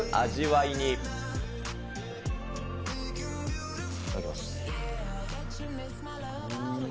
いただきます。